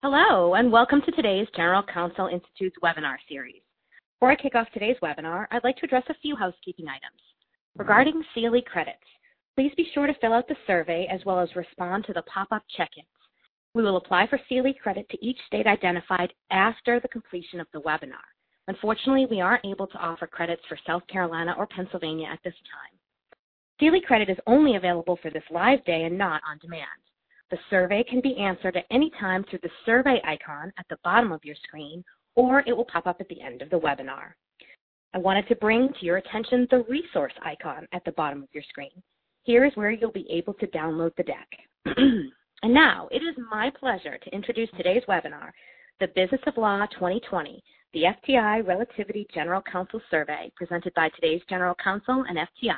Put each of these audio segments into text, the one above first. Hello, welcome to today's General Counsel Institute webinar series. Before I kick off today's webinar, I'd like to address a few housekeeping items. Regarding CLE credits, please be sure to fill out the survey as well as respond to the pop-up check-ins. We will apply for CLE credit to each state identified after the completion of the webinar. Unfortunately, we aren't able to offer credits for South Carolina or Pennsylvania at this time. CLE credit is only available for this live day and not on demand. The survey can be answered at any time through the survey icon at the bottom of your screen, or it will pop up at the end of the webinar. I wanted to bring to your attention the resource icon at the bottom of your screen. Here is where you'll be able to download the deck. Now, it is my pleasure to introduce today's webinar, "The Business of Law 2020: The FTI-Relativity General Counsel Survey," presented by today's general counsel and FTI.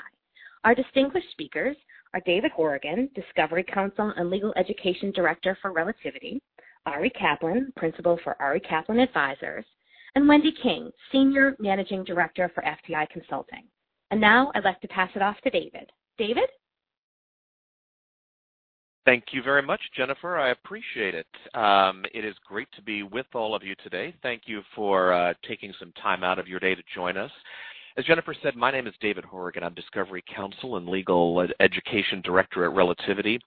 Our distinguished speakers are David Horrigan, discovery counsel and legal education director for Relativity, Ari Kaplan, principal for Ari Kaplan Advisors, and Wendy King, senior managing director for FTI Consulting. Now I'd like to pass it off to David. David? Thank you very much, Jennifer. I appreciate it. It is great to be with all of you today. Thank you for taking some time out of your day to join us. As Jennifer said, my name is David Horrigan. I'm Discovery Counsel and Legal Education Director at Relativity.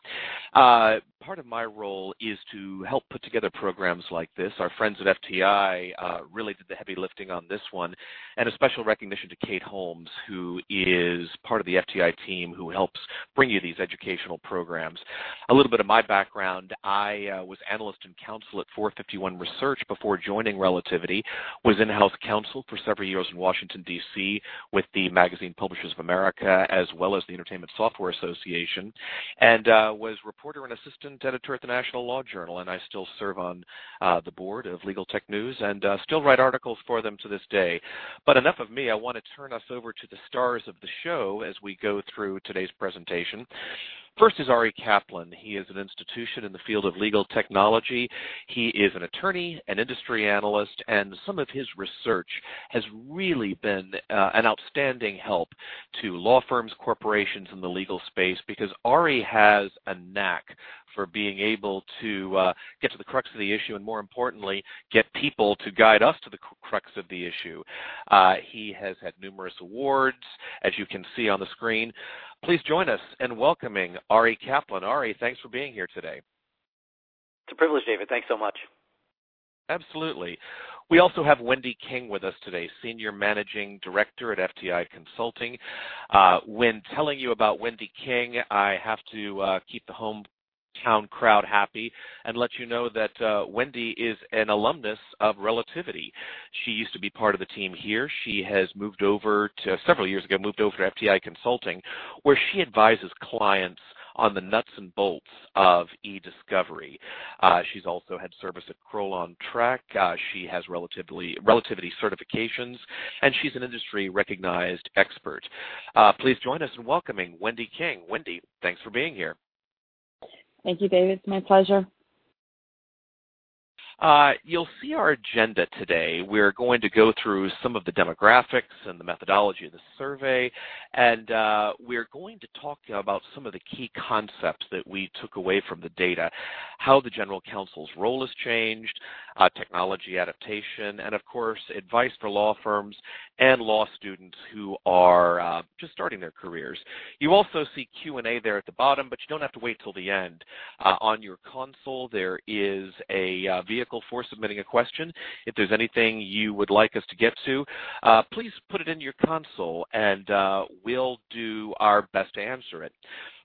Part of my role is to help put together programs like this. Our friends at FTI really did the heavy lifting on this one, and a special recognition to Kate Holmes, who is part of the FTI team who helps bring you these educational programs. A little bit of my background, I was analyst and counsel at 451 Research before joining Relativity, was in-house counsel for several years in Washington, D.C. with the Magazine Publishers of America, as well as the Entertainment Software Association, and was reporter and assistant editor at "The National Law Journal," and I still serve on the board of Legaltech News and still write articles for them to this day. Enough of me, I want to turn us over to the stars of the show as we go through today's presentation. First is Ari Kaplan. He is an institution in the field of legal technology. He is an attorney, an industry analyst, and some of his research has really been an outstanding help to law firms, corporations in the legal space, because Ari has a knack for being able to get to the crux of the issue, and more importantly, get people to guide us to the crux of the issue. He has had numerous awards, as you can see on the screen. Please join us in welcoming Ari Kaplan. Ari, thanks for being here today. It's a privilege, David. Thanks so much. Absolutely. We also have Wendy King with us today, Senior Managing Director at FTI Consulting. When telling you about Wendy King, I have to keep the hometown crowd happy and let you know that Wendy is an alumnus of Relativity. She used to be part of the team here. She has, several years ago, moved over to FTI Consulting, where she advises clients on the nuts and bolts of e-discovery. She's also had service at Kroll Ontrack. She has Relativity certifications, and she's an industry-recognized expert. Please join us in welcoming Wendy King. Wendy, thanks for being here. Thank you, David. It's my pleasure. You'll see our agenda today. We're going to go through some of the demographics and the methodology of the survey, and we're going to talk about some of the key concepts that we took away from the data, how the General Counsel's role has changed, technology adaptation, and of course, advice for law firms and law students who are just starting their careers. You also see Q&A there at the bottom, but you don't have to wait till the end. On your console, there is a vehicle for submitting a question. If there's anything you would like us to get to, please put it into your console, and we'll do our best to answer it.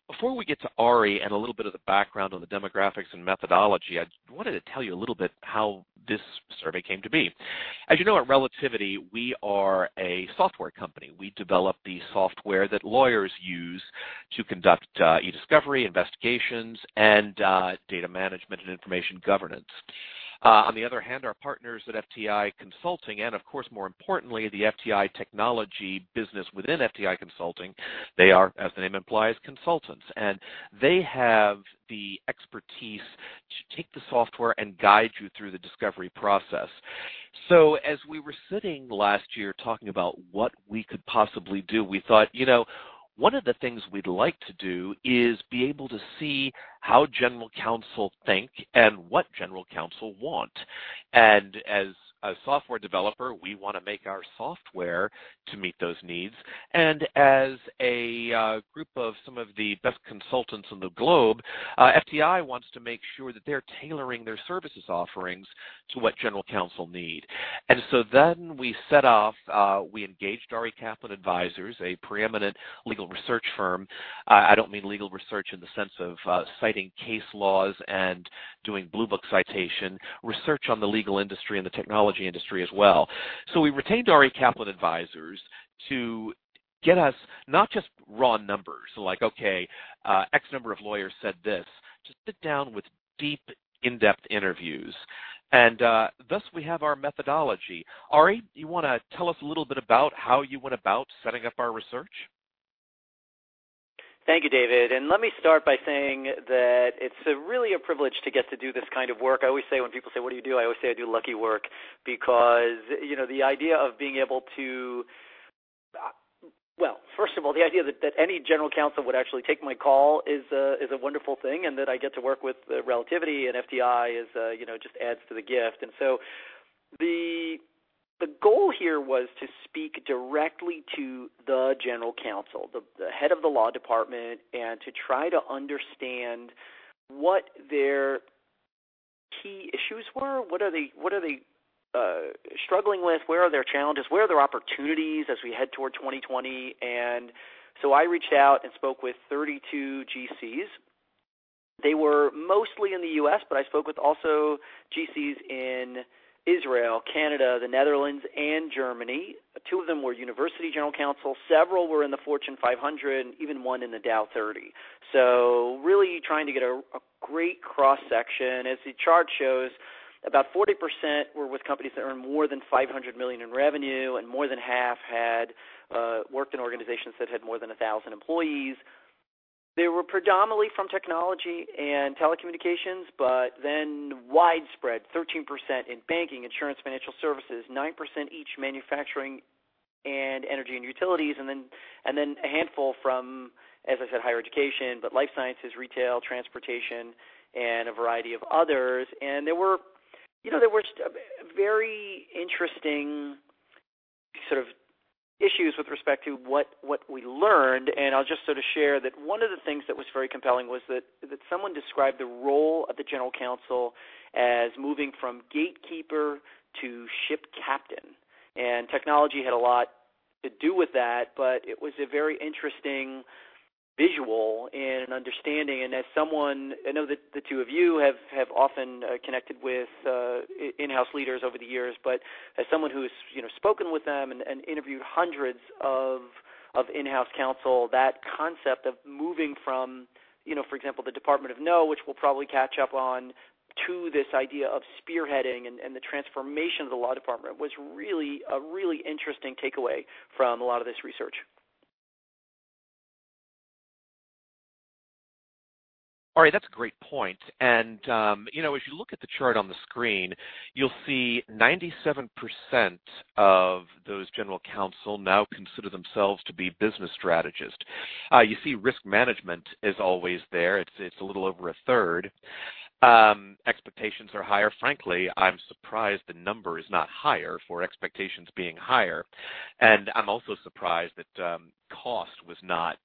Before we get to Ari and a little bit of the background on the demographics and methodology, I wanted to tell you a little bit how this survey came to be. As you know, at Relativity, we are a software company. We develop the software that lawyers use to conduct e-discovery, investigations, and data management and information governance. On the other hand, our partners at FTI Consulting, and of course, more importantly, the FTI Technology business within FTI Consulting, they are, as the name implies, consultants. They have the expertise to take the software and guide you through the discovery process. As we were sitting last year talking about what we could possibly do, we thought, "One of the things we'd like to do is be able to see how general counsel think and what general counsel want." As a software developer, we want to make our software to meet those needs. As a group of some of the best consultants on the globe, FTI wants to make sure that they're tailoring their services offerings to what general counsel need. So then we set off. We engaged Ari Kaplan Advisors, a preeminent legal research firm. I don't mean legal research in the sense of citing case laws and doing Bluebook citation, research on the legal industry and the technology industry as well. We retained Ari Kaplan Advisors to get us not just raw numbers, like, "Okay, X number of lawyers said this." To sit down with deep in-depth interviews, and thus we have our methodology. Ari, you want to tell us a little bit about how you went about setting up our research? Thank you, David. Let me start by saying that it's really a privilege to get to do this kind of work. I always say when people say, "What do you do?" I always say I do lucky work because. Well, first of all, the idea that any General Counsel would actually take my call is a wonderful thing. That I get to work with Relativity and FTI just adds to the gift. The goal here was to speak directly to the General Counsel, the head of the law department, to try to understand what their key issues were, what are they struggling with, where are their challenges, where are their opportunities as we head toward 2020. I reached out and spoke with 32 GCs. They were mostly in the U.S., but I spoke with also GCs in Israel, Canada, the Netherlands, and Germany. Two of them were university general counsel, several were in the Fortune 500, even one in the Dow 30. Really trying to get a great cross-section. As the chart shows, about 40% were with companies that earn more than $500 million in revenue, and more than half had worked in organizations that had more than 1,000 employees. They were predominantly from technology and telecommunications, but then widespread, 13% in banking, insurance, financial services, 9% each manufacturing and energy and utilities, and then a handful from, as I said, higher education, but life sciences, retail, transportation, and a variety of others. There were very interesting sort of issues with respect to what we learned. I'll just sort of share that one of the things that was very compelling was that someone described the role of the General Counsel as moving from gatekeeper to ship captain. Technology had a lot to do with that, but it was a very interesting visual and understanding. I know that the two of you have often connected with in-house leaders over the years, but as someone who's spoken with them and interviewed hundreds of in-house counsel, that concept of moving from, for example, the Department of No, which we'll probably catch up on, to this idea of spearheading and the transformation of the law department was really a really interesting takeaway from a lot of this research. Ari, that's a great point. If you look at the chart on the screen, you'll see 97% of those general counsel now consider themselves to be business strategists. You see risk management is always there. It's a little over a third. Expectations are higher. Frankly, I'm surprised the number is not higher for expectations being higher, and I'm also surprised that cost was not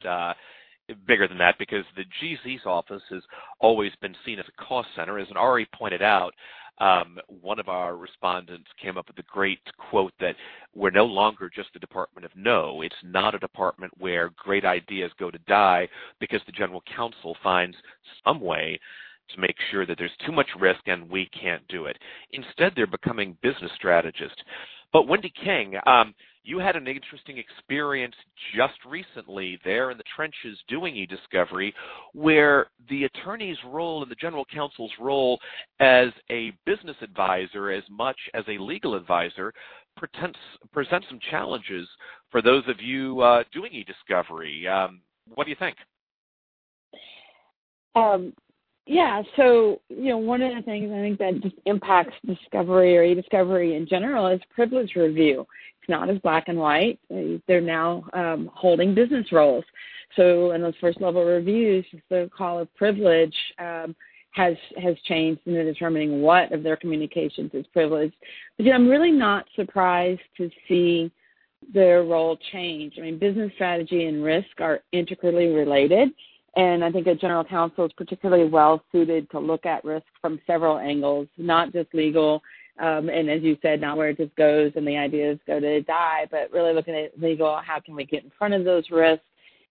bigger than that, because the GC's office has always been seen as a cost center. As Ari pointed out, one of our respondents came up with the great quote that we're no longer just the department of no. It's not a department where great ideas go to die because the general counsel finds some way to make sure that there's too much risk, and we can't do it. Instead, they're becoming business strategists. Wendy King, you had an interesting experience just recently there in the trenches doing e-discovery, where the attorney's role and the general counsel's role as a business advisor, as much as a legal advisor, presents some challenges for those of you doing e-discovery. What do you think? Yeah. One of the things I think that just impacts discovery or e-discovery in general is privilege review. It's not as black and white. They're now holding business roles. In those first level reviews, the call of privilege has changed into determining what of their communications is privileged. I'm really not surprised to see their role change. I mean, business strategy and risk are intricately related, and I think a general counsel is particularly well-suited to look at risk from several angles, not just legal, and as you said, not where it just goes and the ideas go to die, but really looking at legal, how can we get in front of those risks?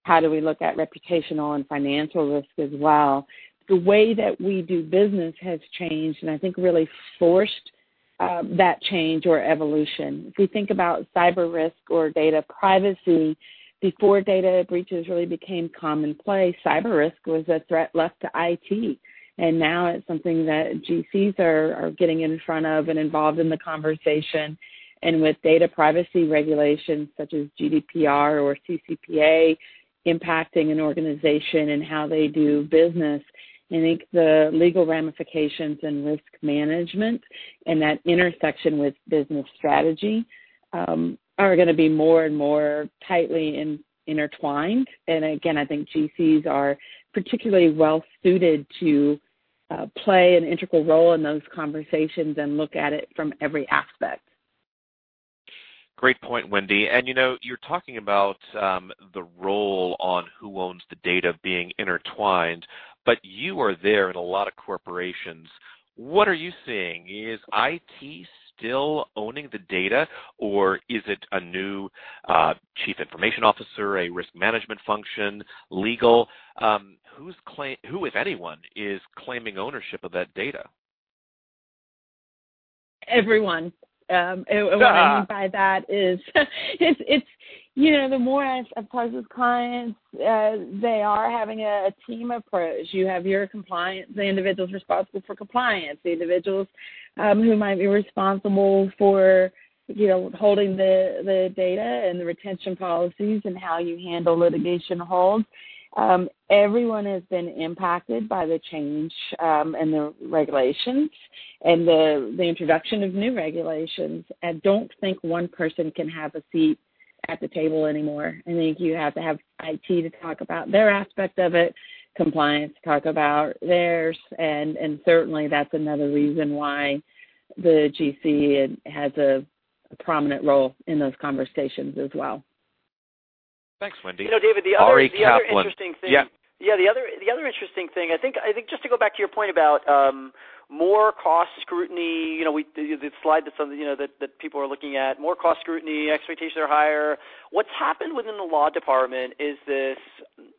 How do we look at reputational and financial risk as well? The way that we do business has changed and I think really forced that change or evolution. If we think about cyber risk or data privacy, before data breaches really became commonplace, cyber risk was a threat left to IT, and now it's something that GCs are getting in front of and involved in the conversation. With data privacy regulations such as GDPR or CCPA impacting an organization and how they do business, I think the legal ramifications and risk management and that intersection with business strategy are going to be more and more tightly intertwined. Again, I think GCs are particularly well-suited to play an integral role in those conversations and look at it from every aspect. Great point, Wendy. You're talking about the role on who owns the data being intertwined, but you are there in a lot of corporations. What are you seeing? Is IT still owning the data, or is it a new chief information officer, a risk management function, legal? Who, if anyone, is claiming ownership of that data? Everyone. What I mean by that is the more I talk with clients, they are having a team approach. You have your compliance, the individuals responsible for compliance, the individuals who might be responsible for holding the data and the retention policies and how you handle litigation holds. Everyone has been impacted by the change, and the regulations, and the introduction of new regulations. I don't think one person can have a seat at the table anymore. I think you have to have IT to talk about their aspect of it, compliance to talk about theirs, and certainly that's another reason why the GC has a prominent role in those conversations as well. Thanks, Wendy. You know, David. Ari Kaplan. The other interesting thing- Yeah. Yeah, the other interesting thing, I think just to go back to your point about more cost scrutiny, the slide that people are looking at, more cost scrutiny, expectations are higher. What's happened within the law department is this,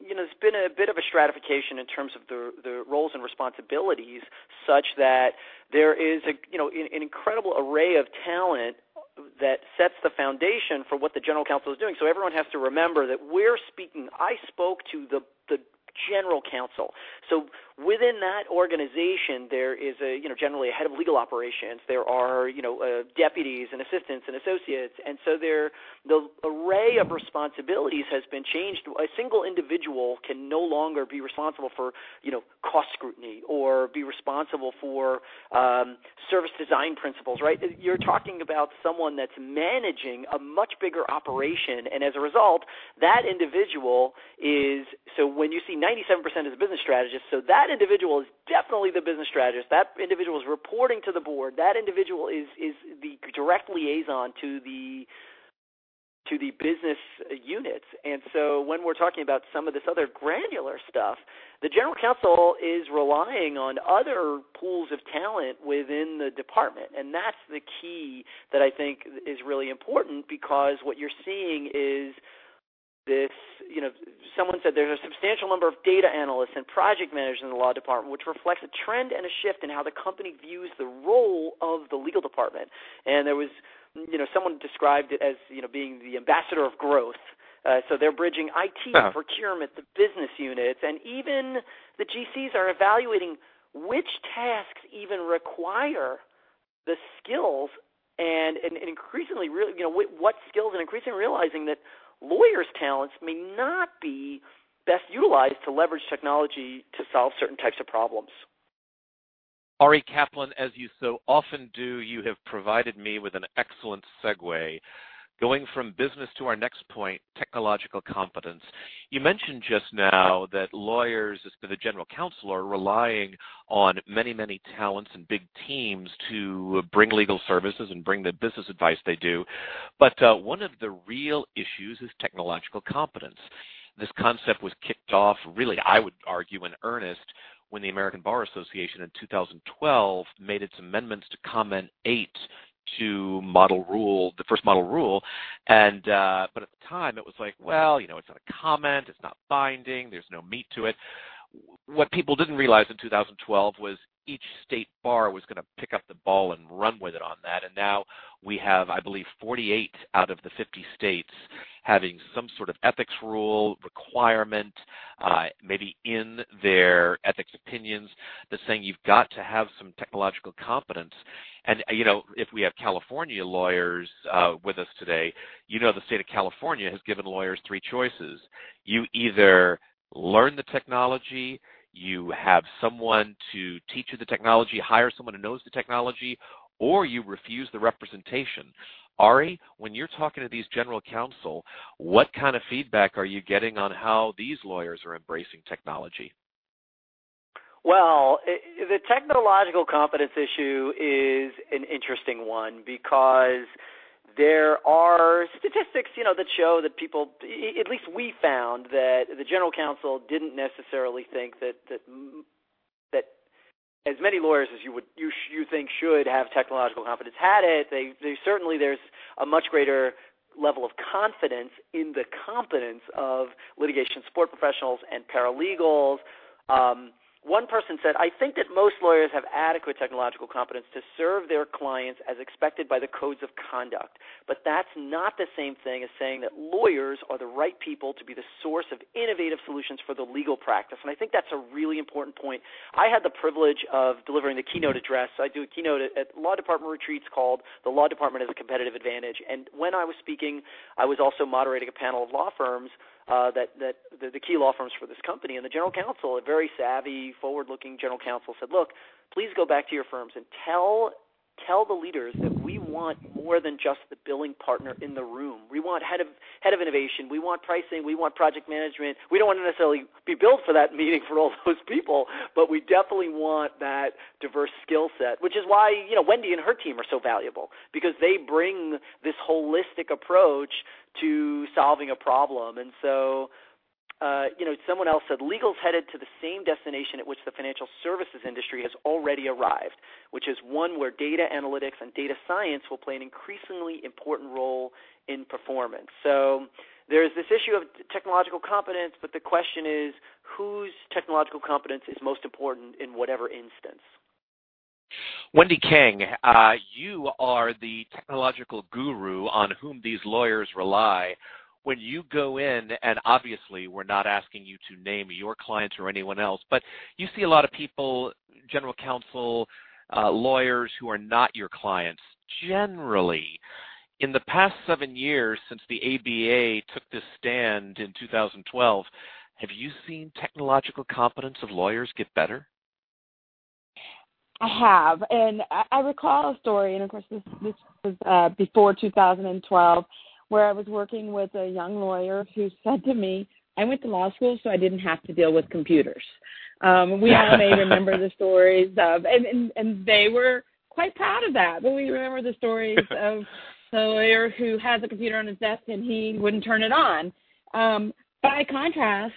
it's been a bit of a stratification in terms of the roles and responsibilities, such that there is an incredible array of talent that sets the foundation for what the General Counsel is doing. Everyone has to remember that we're speaking, I spoke to the General Counsel. Within that organization, there is generally a Head of Legal Operations. There are deputies and assistants and associates. The array of responsibilities has been changed. A single individual can no longer be responsible for cost scrutiny or be responsible for service design principles, right? You're talking about someone that's managing a much bigger operation. As a result, that individual is when you see 97% is a business strategist, that individual is definitely the business strategist. That individual is reporting to the board. That individual is the direct liaison to the business units. When we're talking about some of this other granular stuff, the general counsel is relying on other pools of talent within the department. That's the key that I think is really important because what you're seeing is this, someone said there's a substantial number of data analysts and project managers in the law department, which reflects a trend and a shift in how the company views the role of the legal department. There was someone described it as being the ambassador of growth. They're bridging IT- Wow procurement, the business units, and even the GCs are evaluating which tasks even require the skills and increasingly what skills and increasingly realizing that lawyers' talents may not be best utilized to leverage technology to solve certain types of problems. Ari Kaplan, as you so often do, you have provided me with an excellent segue going from business to our next point, technological competence. You mentioned just now that lawyers, the general counsel, are relying on many talents and big teams to bring legal services and bring the business advice they do. One of the real issues is technological competence. This concept was kicked off, really, I would argue, in earnest when the American Bar Association in 2012 made its amendments to Comment 8 to the first model rule. At the time, it was like, well, it's not a comment, it's not binding, there's no meat to it. What people didn't realize in 2012 was each state bar was going to pick up the ball and run with it on that. Now we have, I believe, 48 out of the 50 states having some sort of ethics rule requirement, maybe in their ethics opinions, that's saying you've got to have some technological competence. If we have California lawyers with us today, you know the state of California has given lawyers three choices. You either learn the technology, you have someone to teach you the technology, hire someone who knows the technology, or you refuse the representation. Ari, when you're talking to these general counsel, what kind of feedback are you getting on how these lawyers are embracing technology? Well, the technological competence issue is an interesting one because there are statistics that show that people, at least we found, that the general counsel didn't necessarily think that as many lawyers as you think should have technological competence had it. Certainly, there's a much greater level of confidence in the competence of litigation support professionals and paralegals. One person said, "I think that most lawyers have adequate technological competence to serve their clients as expected by the codes of conduct." That's not the same thing as saying that lawyers are the right people to be the source of innovative solutions for the legal practice. I think that's a really important point. I had the privilege of delivering the keynote address. I do a keynote at law department retreats called The Law Department as a Competitive Advantage. When I was speaking, I was also moderating a panel of law firms, the key law firms for this company, the General Counsel, a very savvy, forward-looking General Counsel said, "Look, please go back to your firms and tell the leaders that we want more than just the billing partner in the room. We want Head of Innovation. We want pricing. We want project management. We don't want to necessarily be billed for that meeting for all those people, but we definitely want that diverse skill set." This is why Wendy and her team are so valuable because they bring this holistic approach to solving a problem. Someone else said, "Legal is headed to the same destination at which the financial services industry has already arrived, which is one where data analytics and data science will play an increasingly important role in performance." There is this issue of technological competence, but the question is, whose technological competence is most important in whatever instance? Wendy King, you are the technological guru on whom these lawyers rely. When you go in, and obviously we're not asking you to name your clients or anyone else, but you see a lot of people, general counsel, lawyers who are not your clients. Generally, in the past seven years since the ABA took this stand in 2012, have you seen technological competence of lawyers get better? I have, and I recall a story, and of course, this was before 2012, where I was working with a young lawyer who said to me, "I went to law school, so I didn't have to deal with computers." We all may remember the stories of, and they were quite proud of that. When we remember the stories of the lawyer who has a computer on his desk and he wouldn't turn it on. By contrast,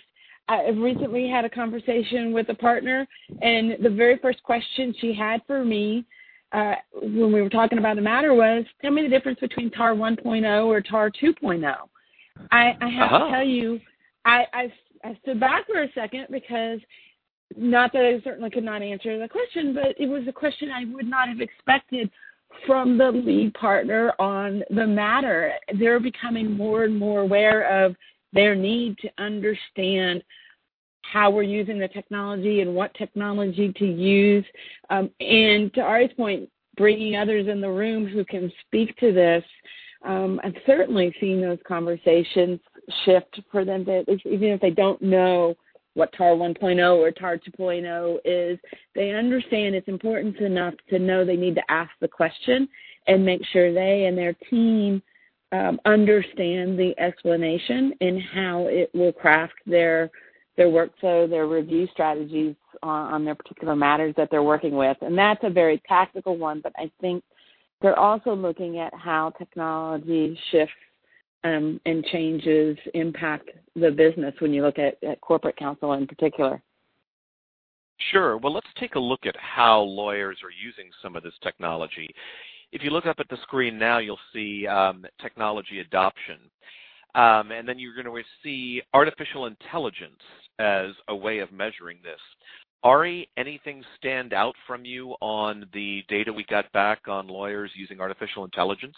I recently had a conversation with a partner and the very first question she had for me, when we were talking about a matter was, "Tell me the difference between TAR 1.0 or TAR 2.0. I have to tell you, I stood back for a second because not that I certainly could not answer the question, but it was a question I would not have expected from the lead partner on the matter. They're becoming more and more aware of their need to understand how we're using the technology and what technology to use. To Ari's point, bringing others in the room who can speak to this, I'm certainly seeing those conversations shift for them, that even if they don't know what TAR 1.0 or TAR 2.0 is, they understand it's important enough to know they need to ask the question and make sure they and their team understand the explanation and how it will craft their workflow, their review strategies on their particular matters that they're working with. That's a very tactical one, but I think they're also looking at how technology shifts and changes impact the business when you look at corporate counsel in particular. Sure. Well, let's take a look at how lawyers are using some of this technology. If you look up at the screen now, you'll see technology adoption. You're going to see artificial intelligence as a way of measuring this. Ari, anything stand out from you on the data we got back on lawyers using artificial intelligence?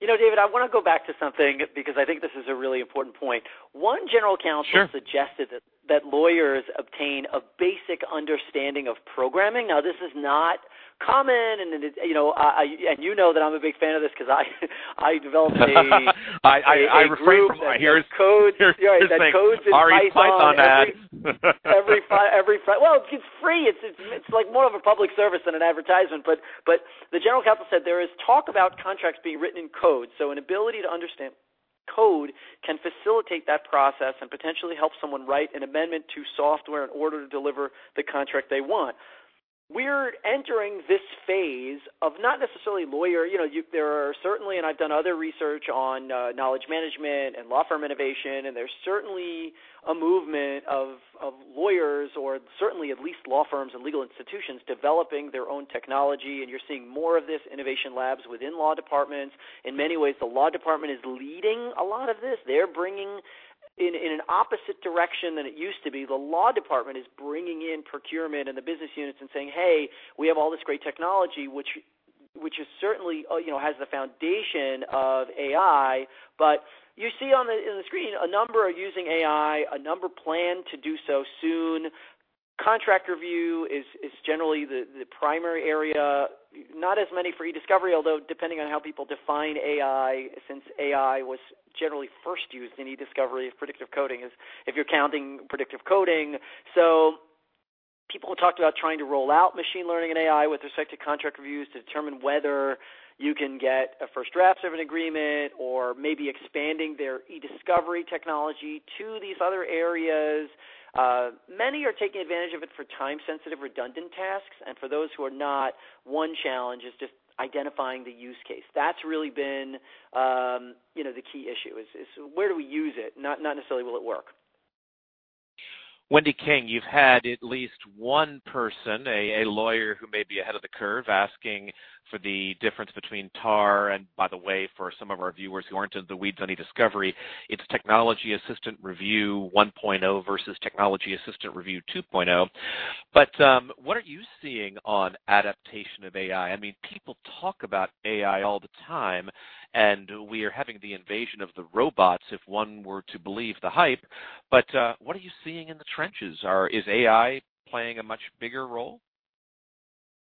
David, I want to go back to something because I think this is a really important point. One general counsel- Sure suggested that lawyers obtain a basic understanding of programming. This is not common, and you know that I'm a big fan of this because I developed. I refrain from here. a group that codes- Here's Ari's Python ad. Well, it's free. It's more of a public service than an advertisement. The general counsel said there is talk about contracts being written in code, so an ability to understand code can facilitate that process and potentially help someone write an amendment to software in order to deliver the contract they want. We're entering this phase of not necessarily lawyer, there are certainly, and I've done other research on knowledge management and law firm innovation, and there's certainly a movement of lawyers or certainly at least law firms and legal institutions developing their own technology, and you're seeing more of this innovation labs within law departments. In many ways, the law department is leading a lot of this. They're bringing in an opposite direction than it used to be. The law department is bringing in procurement and the business units and saying, "Hey, we have all this great technology," which certainly has the foundation of AI. You see on the screen a number are using AI, a number plan to do so soon. Contract review is generally the primary area. Not as many for e-discovery, although depending on how people define AI, since AI was generally first used in e-discovery as predictive coding is if you're counting predictive coding. People talked about trying to roll out machine learning and AI with respect to contract reviews to determine whether you can get a first drafts of an agreement or maybe expanding their e-discovery technology to these other areas. Many are taking advantage of it for time-sensitive, redundant tasks. For those who are not, one challenge is just identifying the use case. That's really been the key issue is where do we use it, not necessarily will it work. Wendy King, you've had at least one person, a lawyer who may be ahead of the curve, asking for the difference between TAR, and by the way, for some of our viewers who aren't in the weeds on e-discovery, it's Technology Assisted Review 1.0 versus Technology Assisted Review 2.0. What are you seeing on adaptation of AI? People talk about AI all the time. We are having the invasion of the robots, if one were to believe the hype. What are you seeing in the trenches? Is AI playing a much bigger role?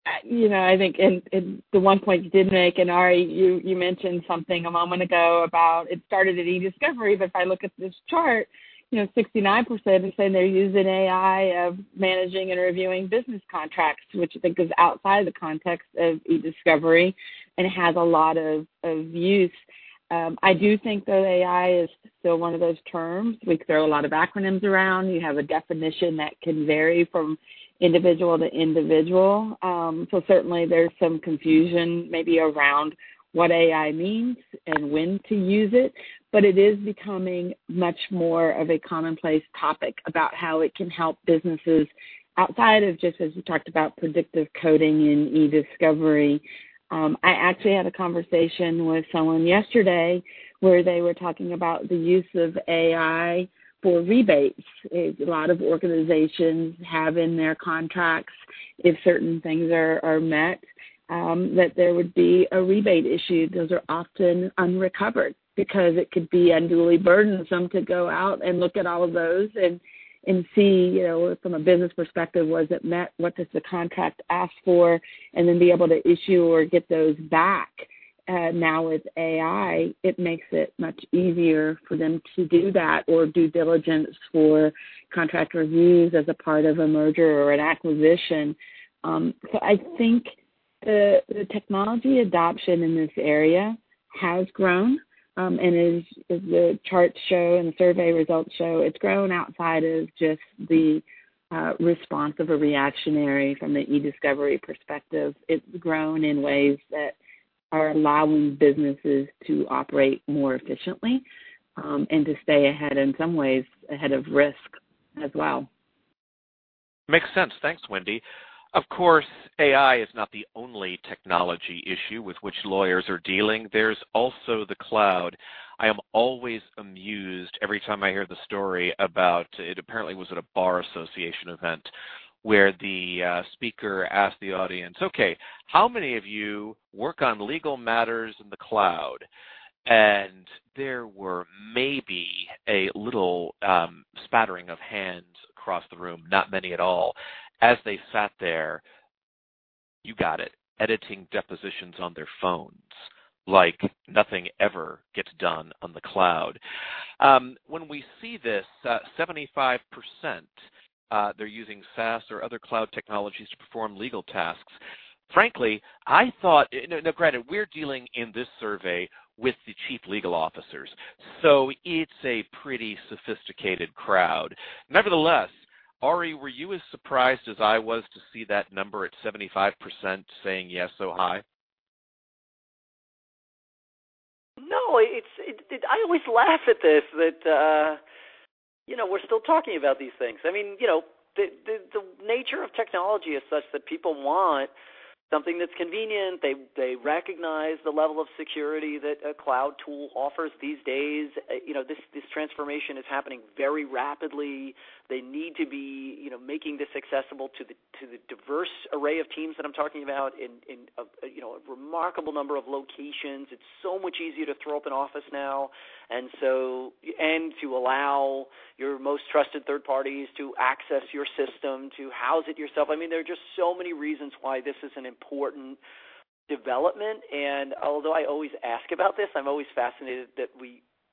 I think, and the one point you did make, and Ari, you mentioned something a moment ago about it started at e-discovery, but if I look at this chart, 69% are saying they're using AI of managing and reviewing business contracts, which I think is outside the context of e-discovery and has a lot of use. I do think, though, AI is still one of those terms. We throw a lot of acronyms around. You have a definition that can vary from individual to individual. Certainly there's some confusion maybe around what AI means and when to use it, but it is becoming much more of a commonplace topic about how it can help businesses outside of just, as we talked about, predictive coding and e-discovery. I actually had a conversation with someone yesterday where they were talking about the use of AI for rebates. A lot of organizations have in their contracts, if certain things are met, that there would be a rebate issued. Those are often unrecovered because it could be unduly burdensome to go out and look at all of those and see from a business perspective, was it met? What does the contract ask for? Then be able to issue or get those back. Now with AI, it makes it much easier for them to do that or due diligence for contract reviews as a part of a merger or an acquisition. I think the technology adoption in this area has grown, and as the charts show and the survey results show, it's grown outside of just the response of a reactionary from the e-discovery perspective. It's grown in ways that are allowing businesses to operate more efficiently, and to stay ahead, in some ways, ahead of risk as well. Makes sense. Thanks, Wendy. Of course, AI is not the only technology issue with which lawyers are dealing. There's also the cloud. I am always amused every time I hear the story about, it apparently was at a bar association event, where the speaker asked the audience, "Okay, how many of you work on legal matters in the cloud?" There were maybe a little spattering of hands across the room, not many at all, as they sat there, you got it, editing depositions on their phones. Like nothing ever gets done on the cloud. When we see this, 75%, they're using SaaS or other cloud technologies to perform legal tasks. Frankly, I thought, now granted, we're dealing in this survey with the chief legal officers, so it's a pretty sophisticated crowd. Ari, were you as surprised as I was to see that number at 75% saying yes so high? No. I always laugh at this, that we're still talking about these things. I mean, the nature of technology is such that people want something that's convenient. They recognize the level of security that a cloud tool offers these days. This transformation is happening very rapidly. They need to be making this accessible to the diverse array of teams that I'm talking about in a remarkable number of locations. It's so much easier to throw up an office now. To allow your most trusted third parties to access your system, to house it yourself. I mean, there are just so many reasons why this is an important development. Although I always ask about this, I'm always fascinated that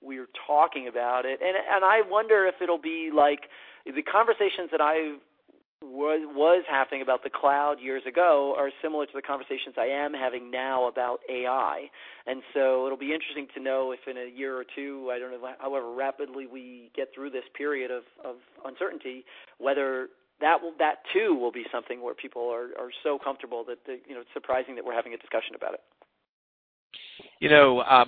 we're talking about it. I wonder if it'll be like the conversations that I was having about the cloud years ago are similar to the conversations I am having now about AI. It'll be interesting to know if in a year or two, I don't know however rapidly we get through this period of uncertainty, whether that too will be something where people are so comfortable that it's surprising that we're having a discussion about it.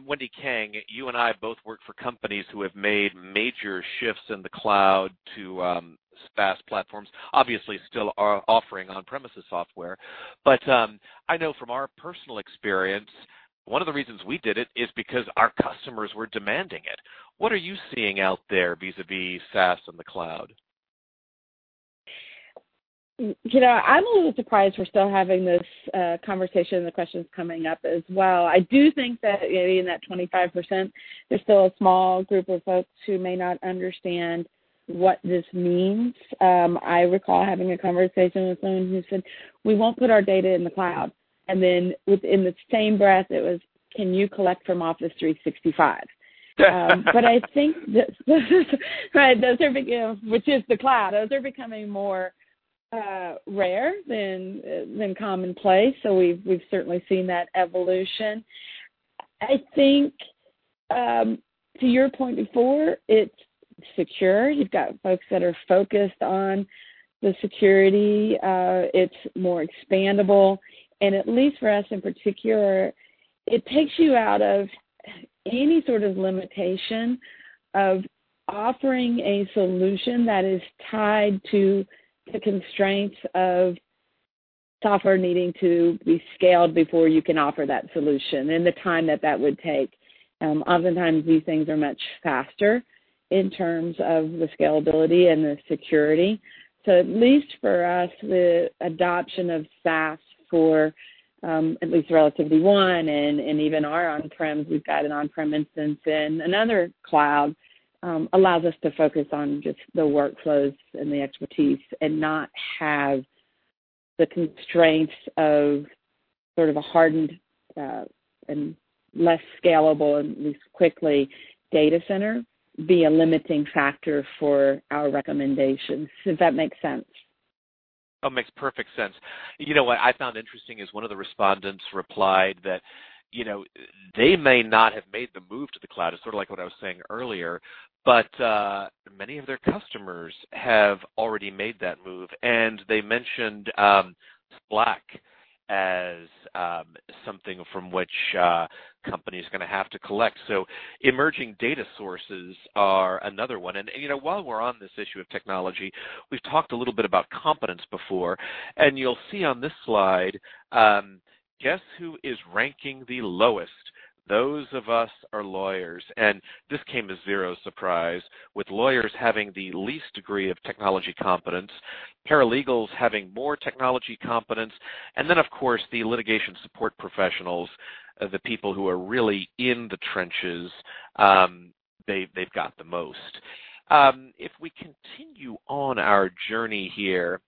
Wendy King, you and I both work for companies who have made major shifts in the cloud to SaaS platforms. Obviously still are offering on-premises software. I know from our personal experience, one of the reasons we did it is because our customers were demanding it. What are you seeing out there vis-a-vis SaaS and the cloud? I'm a little surprised we're still having this conversation and the questions coming up as well. I do think that maybe in that 25%, there's still a small group of folks who may not understand what this means. I recall having a conversation with someone who said, "We won't put our data in the cloud." Then within the same breath it was, "Can you collect from Office 365." I think that right, those are which is the cloud. Those are becoming more rare than commonplace, so we've certainly seen that evolution. I think, to your point before, it's secure. You've got folks that are focused on the security. It's more expandable. At least for us in particular, it takes you out of any sort of limitation of offering a solution that is tied to the constraints of software needing to be scaled before you can offer that solution, and the time that that would take. Oftentimes, these things are much faster in terms of the scalability and the security. At least for us, the adoption of SaaS for at least RelativityOne and even our on-prem, we've got an on-prem instance in another cloud, allows us to focus on just the workflows and the expertise and not have the constraints of sort of a hardened and less scalable, at least quickly, data center be a limiting factor for our recommendations. Does that make sense? Oh, it makes perfect sense. You know what I found interesting is one of the respondents replied that they may not have made the move to the cloud, it's sort of like what I was saying earlier, but many of their customers have already made that move. They mentioned Slack as something from which companies are going to have to collect. Emerging data sources are another one. While we're on this issue of technology, we've talked a little bit about competence before. You'll see on this slide, guess who is ranking the lowest? Those of us are lawyers. This came as zero surprise with lawyers having the least degree of technology competence, paralegals having more technology competence, then of course the litigation support professionals, the people who are really in the trenches, they've got the most. If we continue on our journey here.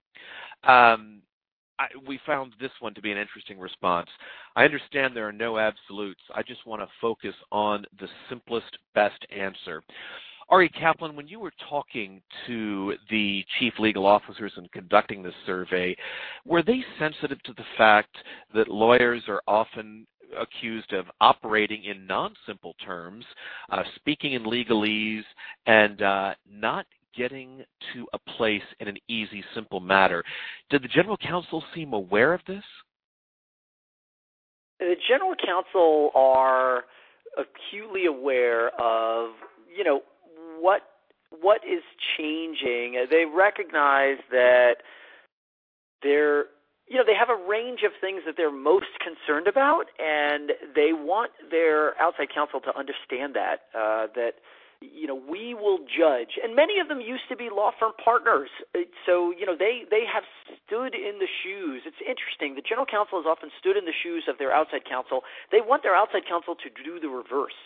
We found this one to be an interesting response. "I understand there are no absolutes. I just want to focus on the simplest, best answer." Ari Kaplan, when you were talking to the chief legal officers in conducting this survey, were they sensitive to the fact that lawyers are often accused of operating in non-simple terms, speaking in legalese, and not getting to a place in an easy, simple matter? Did the general counsel seem aware of this? The general counsel are acutely aware of what is changing. They recognize that they have a range of things that they're most concerned about, and they want their outside counsel to understand that we will judge. Many of them used to be law firm partners. They have stood in the shoes. It's interesting. The general counsel has often stood in the shoes of their outside counsel. They want their outside counsel to do the reverse.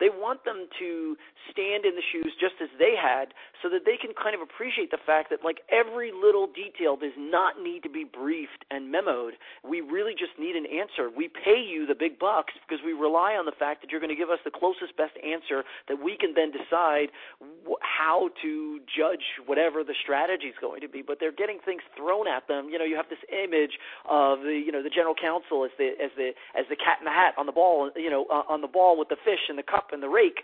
They want them to stand in the shoes just as they had, so that they can appreciate the fact that every little detail does not need to be briefed and memo'd. We really just need an answer. We pay you the big bucks because we rely on the fact that you're going to give us the closest, best answer that we can then decide how to judge whatever the strategy's going to be. They're getting things thrown at them. You have this image of the Cat in the Hat on the ball with the fish and the cup and the rake.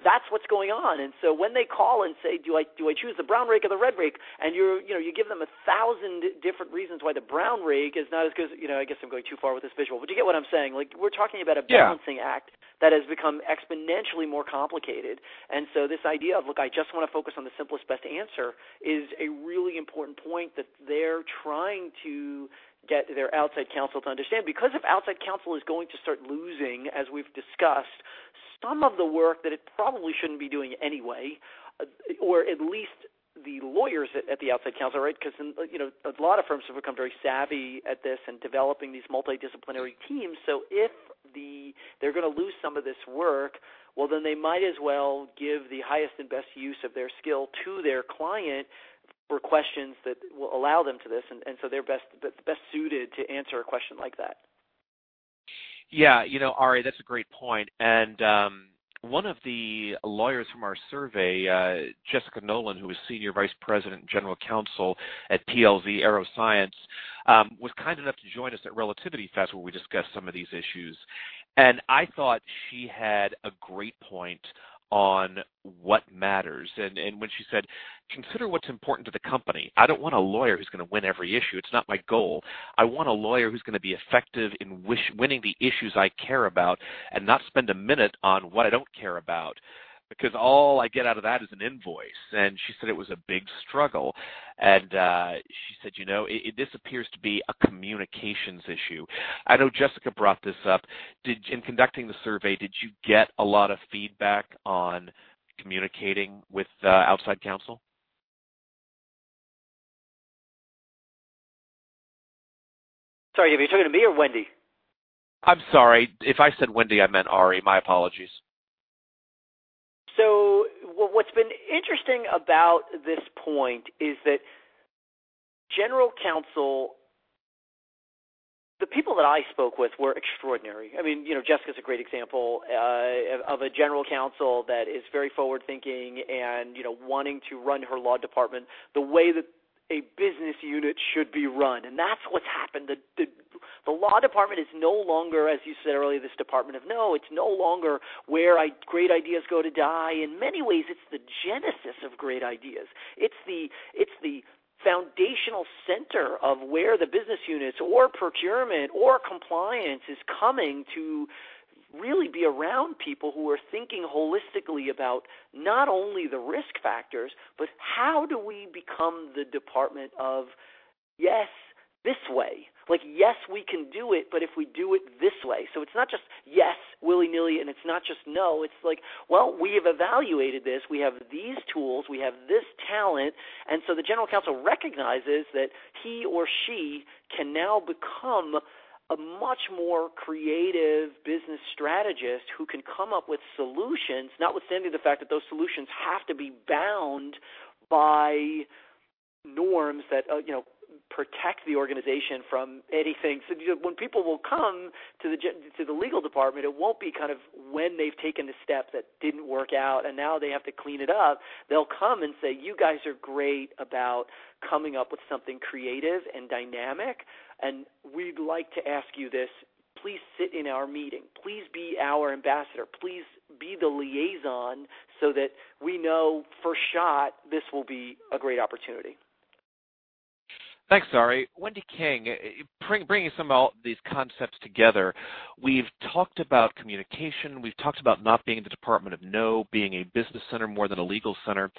That's what's going on. When they call and say, "Do I choose the brown rake or the red rake?" You give them 1,000 different reasons why the brown rake is not as good. I guess I'm going too far with this visual. Do you get what I'm saying? Yeah. We're talking about a balancing act that has become exponentially more complicated. This idea of, "Look, I just want to focus on the simplest, best answer," is a really important point that they're trying to get their outside counsel to understand. Because if outside counsel is going to start losing, as we've discussed, some of the work that it probably shouldn't be doing anyway, or at least the lawyers at the outside counsel, right? Because a lot of firms have become very savvy at this and developing these multidisciplinary teams. If they're going to lose some of this work, well, then they might as well give the highest and best use of their skill to their client for questions that will allow them to this, and so they're best suited to answer a question like that. Yeah. Ari, that's a great point. One of the lawyers from our survey, Jessica Nolan, who is Senior Vice President and General Counsel at PLZ Aeroscience, was kind enough to join us at Relativity Fest, where we discussed some of these issues. I thought she had a great point on what matters. When she said, "Consider what's important to the company. I don't want a lawyer who's going to win every issue. It's not my goal. I want a lawyer who's going to be effective in winning the issues I care about, and not spend a minute on what I don't care about, because all I get out of that is an invoice." She said it was a big struggle, and she said, "This appears to be a communications issue." I know Jessica brought this up. In conducting the survey, did you get a lot of feedback on communicating with outside counsel? Sorry, are you talking to me or Wendy? I'm sorry. If I said Wendy, I meant Ari. My apologies. What's been interesting about this point is that General Counsel, the people that I spoke with were extraordinary. Jessica's a great example of a General Counsel that is very forward-thinking and wanting to run her law department the way that a business unit should be run. That's what's happened. The law department is no longer, as you said earlier, this department of no. It's no longer where great ideas go to die. In many ways, it's the genesis of great ideas. It's the foundational center of where the business units or procurement or compliance is coming to really be around people who are thinking holistically about not only the risk factors, but how do we become the department of, "Yes, this way." Like, "Yes, we can do it, but if we do it this way." It's not just "Yes" willy-nilly, and it's not just "No." It's like, "Well, we have evaluated this. We have these tools. We have this talent." The General Counsel recognizes that he or she can now become a much more creative business strategist who can come up with solutions, notwithstanding the fact that those solutions have to be bound by norms that protect the organization from anything. When people will come to the legal department, it won't be when they've taken a step that didn't work out and now they have to clean it up. They'll come and say, "You guys are great about coming up with something creative and dynamic, and we'd like to ask you this. Please sit in our meeting. Please be our ambassador. Please be the liaison so that we know for sure this will be a great opportunity. Thanks, Ari. Wendy King, bringing some of these concepts together. We've talked about communication. We've talked about not being the department of "No," being a business center more than a legal center.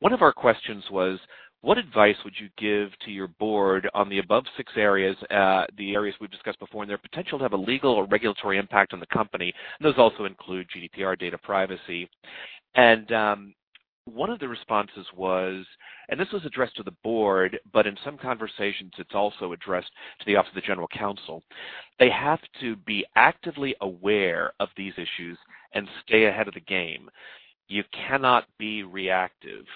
One of our questions was, what advice would you give to your board on the above six areas, the areas we've discussed before, and their potential to have a legal or regulatory impact on the company? Those also include GDPR data privacy. One of the responses was, and this was addressed to the board, but in some conversations, it's also addressed to the office of the General Counsel. They have to be actively aware of these issues and stay ahead of the game. You cannot be reactive.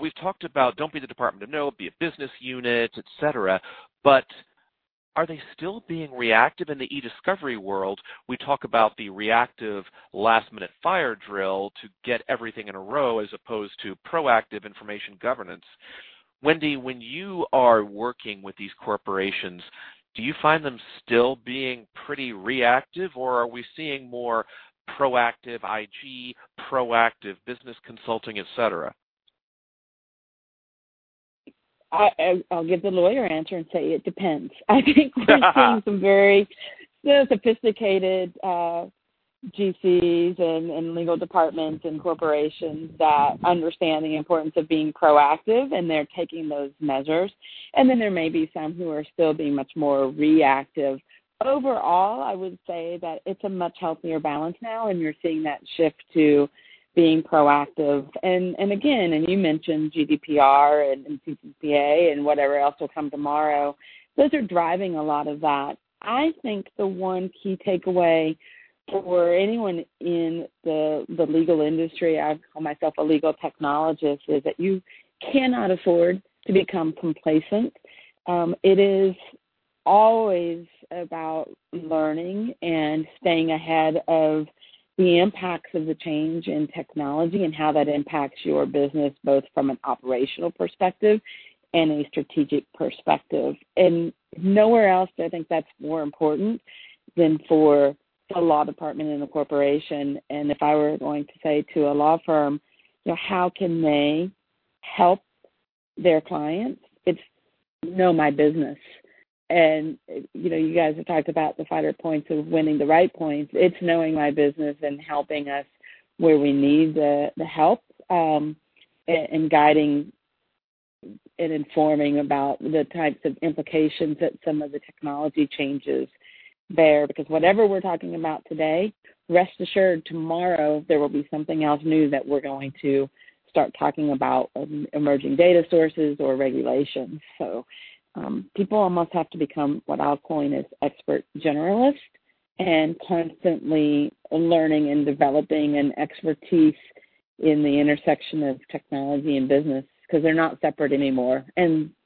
We've talked about don't be the department of no, be a business unit, et cetera, but are they still being reactive? In the e-discovery world, we talk about the reactive last-minute fire drill to get everything in a row as opposed to proactive information governance. Wendy, when you are working with these corporations, do you find them still being pretty reactive, or are we seeing more proactive IG, proactive business consulting, et cetera? I'll give the lawyer answer and say it depends. I think we're seeing some very sophisticated GCs and legal departments and corporations that understand the importance of being proactive, and they're taking those measures. Then there may be some who are still being much more reactive. Overall, I would say that it's a much healthier balance now, and you're seeing that shift to being proactive. Again, and you mentioned GDPR and CCPA and whatever else will come tomorrow, those are driving a lot of that. I think the one key takeaway for anyone in the legal industry, I call myself a legal technologist, is that you cannot afford to become complacent. It is always about learning and staying ahead of the impacts of the change in technology and how that impacts your business, both from an operational perspective and a strategic perspective. Nowhere else do I think that's more important than for a law department in a corporation. If I were going to say to a law firm how can they help their clients, it's know my business. You guys have talked about the finer points of winning the right points. It's knowing my business and helping us where we need the help, and guiding and informing about the types of implications that some of the technology changes bear. Whatever we're talking about today, rest assured tomorrow there will be something else new that we're going to start talking about, emerging data sources or regulations. People almost have to become what I'll coin as expert generalists and constantly learning and developing an expertise in the intersection of technology and business, because they're not separate anymore.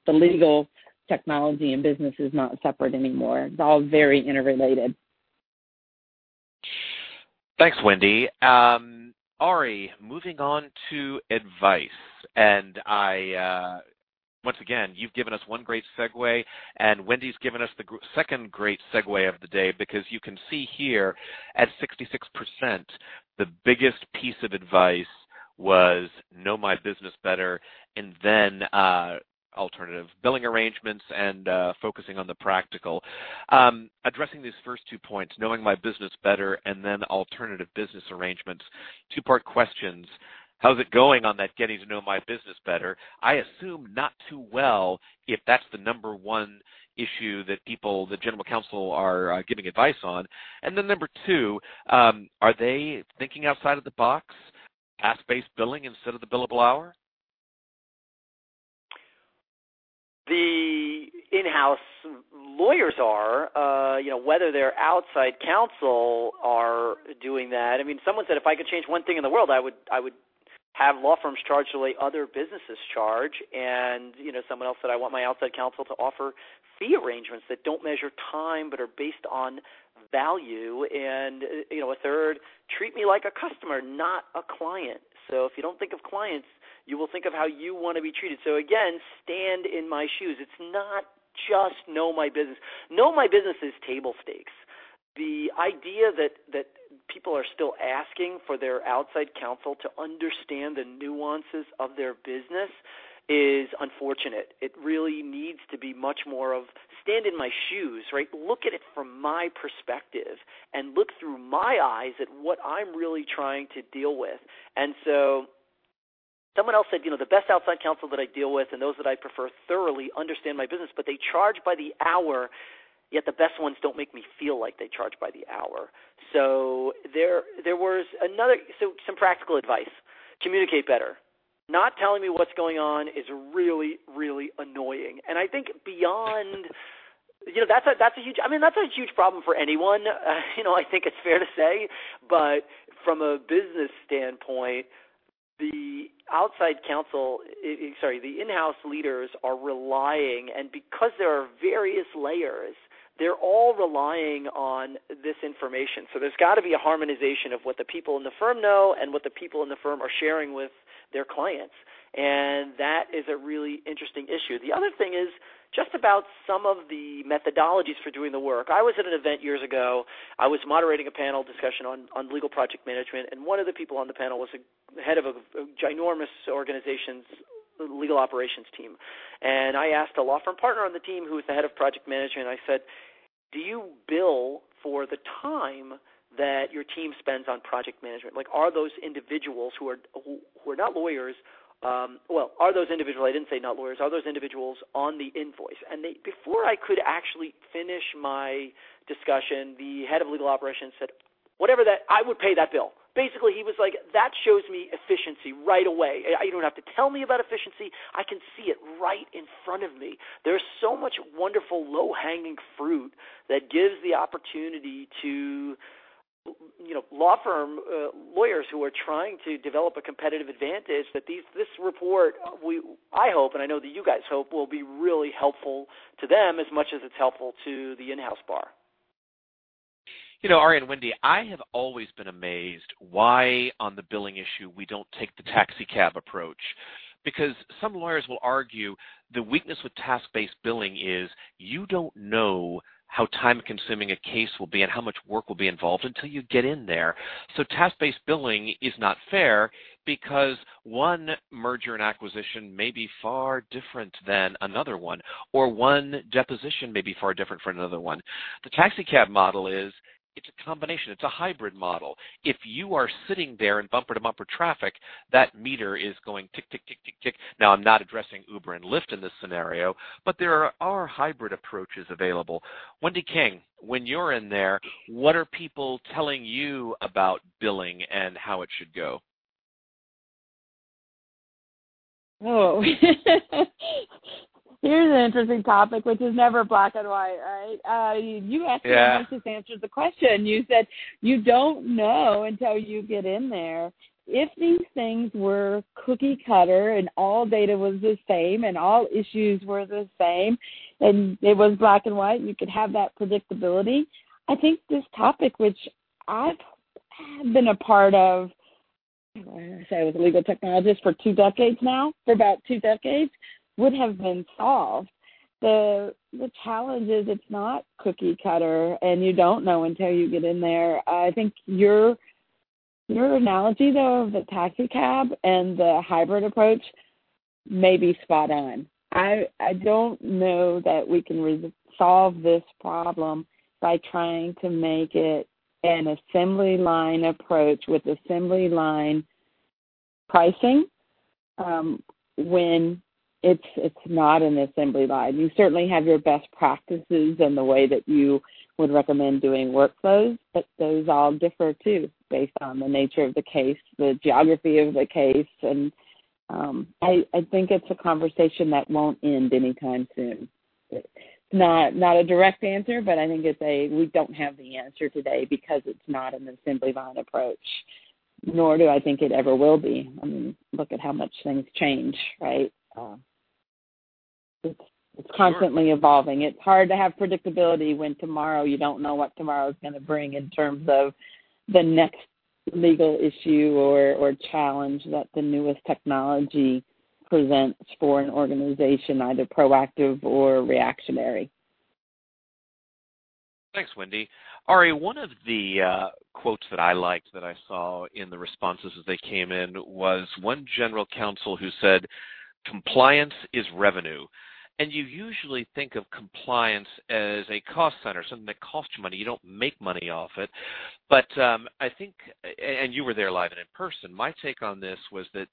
The legal technology and business is not separate anymore. It's all very interrelated. Thanks, Wendy. Ari, moving on to advice, once again, you've given us one great segue, and Wendy's given us the second great segue of the day because you can see here at 66%, the biggest piece of advice was know my business better. Then alternative billing arrangements and focusing on the practical. Addressing these first two points, knowing my business better, then alternative business arrangements, two-part questions. How's it going on that getting to know my business better? I assume not too well, if that's the number one issue that people, the general counsel, are giving advice on. Then number two, are they thinking outside of the box, task-based billing instead of the billable hour? The in-house lawyers are. Whether their outside counsel are doing that. I mean, someone said, "If I could change one thing in the world, I would have law firms charge the way other businesses charge." Someone else said, "I want my outside counsel to offer fee arrangements that don't measure time but are based on value." A third, "Treat me like a customer, not a client." If you don't think of clients, you will think of how you want to be treated. Again, stand in my shoes. It's not just know my business. Know my business is table stakes. The idea that people are still asking for their outside counsel to understand the nuances of their business is unfortunate. It really needs to be much more of stand in my shoes, right? Look at it from my perspective, and look through my eyes at what I'm really trying to deal with. Someone else said, "The best outside counsel that I deal with and those that I prefer thoroughly understand my business, but they charge by the hour, yet the best ones don't make me feel like they charge by the hour." Some practical advice. Communicate better. Not telling me what's going on is really annoying. I think That's a huge problem for anyone, I think it's fair to say. From a business standpoint, the outside counsel, sorry, the in-house leaders are relying, and because there are various layers, they're all relying on this information. There's got to be a harmonization of what the people in the firm know and what the people in the firm are sharing with their clients, that is a really interesting issue. The other thing is just about some of the methodologies for doing the work. I was at an event years ago. I was moderating a panel discussion on legal project management, one of the people on the panel was a head of a ginormous organization's legal operations team. I asked a law firm partner on the team who was the head of project management, I said, "Do you bill for the time that your team spends on project management?" Are those individuals who are not lawyers, are those individuals, I didn't say not lawyers, are those individuals on the invoice? Before I could actually finish my discussion, the head of legal operations said, "Whatever that, I would pay that bill." Basically, he was like, "That shows me efficiency right away. You don't have to tell me about efficiency. I can see it right in front of me." There's so much wonderful low-hanging fruit that gives the opportunity to law firm lawyers who are trying to develop a competitive advantage, that this report, I hope, and I know that you guys hope, will be really helpful to them as much as it's helpful to the in-house bar. Ari and Wendy, I have always been amazed why on the billing issue we don't take the taxicab approach, because some lawyers will argue the weakness with task-based billing is you don't know how time-consuming a case will be and how much work will be involved until you get in there. Task-based billing is not fair because one merger and acquisition may be far different than another one, or one deposition may be far different from another one. The taxicab model is, it's a combination. It's a hybrid model. If you are sitting there in bumper-to-bumper traffic, that meter is going tick, tick, tick. Now, I'm not addressing Uber and Lyft in this scenario, but there are hybrid approaches available. Wendy King, when you're in there, what are people telling you about billing and how it should go? Oh. Here's an interesting topic, which is never black and white, right? Yeah. You asked me, and I just answered the question. You said you don't know until you get in there. If these things were cookie cutter and all data was the same and all issues were the same, and it was black and white, and you could have that predictability, I think this topic, which I've been a part of, I say I was a legal technologist for two decades now, for about two decades, would have been solved. The challenge is it's not cookie cutter, and you don't know until you get in there. I think your analogy, though, of the taxicab and the hybrid approach may be spot on. I don't know that we can solve this problem by trying to make it an assembly line approach with assembly line pricing, when it's not an assembly line. You certainly have your best practices and the way that you would recommend doing workflows, but those all differ too, based on the nature of the case, the geography of the case, and I think it's a conversation that won't end anytime soon. Not a direct answer, but I think it's a we don't have the answer today because it's not an assembly line approach, nor do I think it ever will be. I mean, look at how much things change, right? It's constantly evolving. It's hard to have predictability when tomorrow you don't know what tomorrow's going to bring in terms of the next legal issue or challenge that the newest technology presents for an organization, either proactive or reactionary. Thanks, Wendy. Ari, one of the quotes that I liked that I saw in the responses as they came in was one General Counsel who said, "Compliance is revenue." You usually think of compliance as a cost center, something that costs you money. You don't make money off it. I think, and you were there live and in person, my take on this was that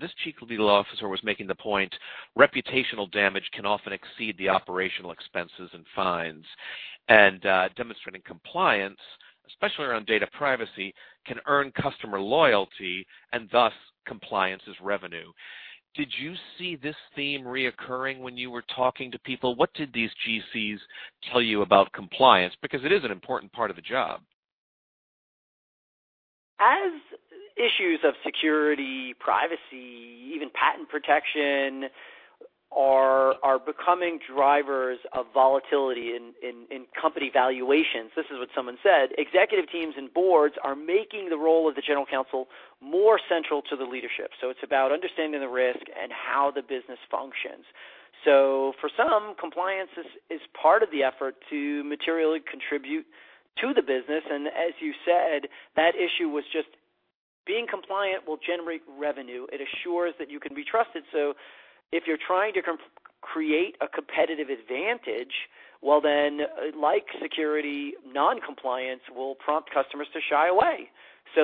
this Chief Legal Officer was making the point reputational damage can often exceed the operational expenses and fines. Demonstrating compliance, especially around data privacy, can earn customer loyalty, and thus compliance is revenue. Did you see this theme reoccurring when you were talking to people? What did these GCs tell you about compliance? Because it is an important part of the job. As issues of security, privacy, even patent protection, are becoming drivers of volatility in company valuations, this is what someone said, executive teams and boards are making the role of the General Counsel more central to the leadership. It's about understanding the risk and how the business functions. For some, compliance is part of the effort to materially contribute to the business, and as you said, that issue was just being compliant will generate revenue. It assures that you can be trusted. If you're trying to create a competitive advantage, well then, like security, non-compliance will prompt customers to shy away.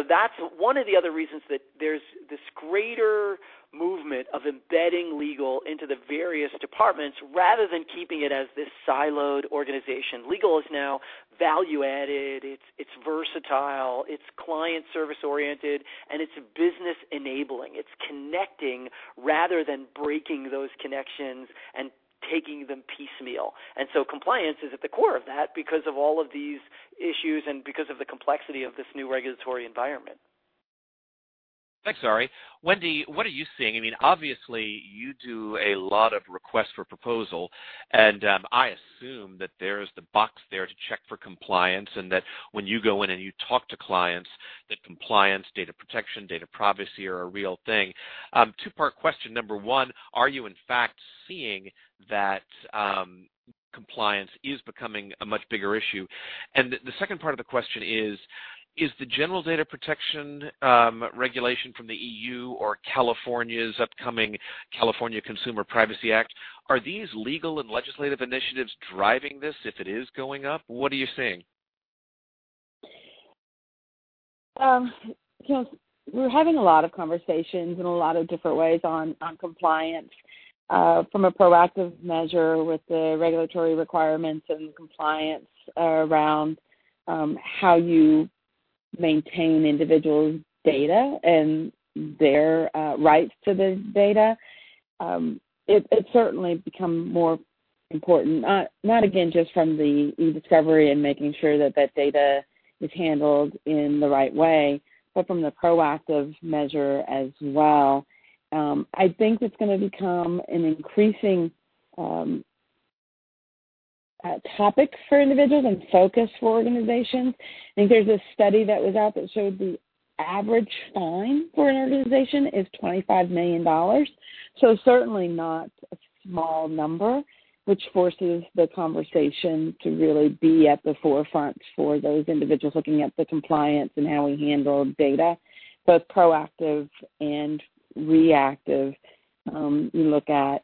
That's one of the other reasons that there's this greater movement of embedding legal into the various departments rather than keeping it as this siloed organization. Legal is now value added. It's versatile. It's client service oriented, and it's business enabling. It's connecting rather than breaking those connections and taking them piecemeal. Compliance is at the core of that because of all of these issues and because of the complexity of this new regulatory environment. Thanks, Ari. Wendy, what are you seeing? I mean, obviously you do a lot of requests for proposal, and I assume that there's the box there to check for compliance, and that when you go in and you talk to clients, that compliance, data protection, data privacy are a real thing. Two-part question. Number one, are you in fact seeing that compliance is becoming a much bigger issue? The second part of the question is the General Data Protection Regulation from the EU or California's upcoming California Consumer Privacy Act, are these legal and legislative initiatives driving this if it is going up? What are you seeing? We're having a lot of conversations in a lot of different ways on compliance, from a proactive measure with the regulatory requirements and compliance around how you maintain individuals' data and their rights to the data. It's certainly become more important. Not again, just from the e-discovery and making sure that that data is handled in the right way, but from the proactive measure as well. I think it's going to become an increasing topic for individuals and focus for organizations. I think there's a study that was out that showed the average fine for an organization is $25 million. Certainly not a small number, which forces the conversation to really be at the forefront for those individuals looking at the compliance and how we handle data, both proactive and reactive. You look at